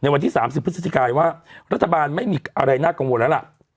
วันที่๓๐พฤศจิกายว่ารัฐบาลไม่มีอะไรน่ากังวลแล้วล่ะ